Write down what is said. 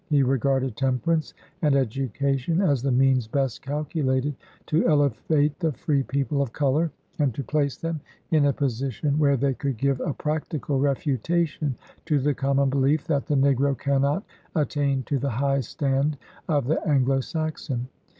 He re garded temperance and education as the means best calculated to elevate the free people of color, and to place them in a position where they could give a practical refutation to the common belief, that the negro cannot attain to the high stand of the Anglo Saxon.